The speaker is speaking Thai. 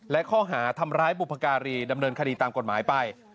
และข้อหาทำร้ายบุพการีดำเนินคดีตามกฎหมายไป